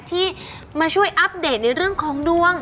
ที่มาช่วยอัปเดตในเรื่องของดวง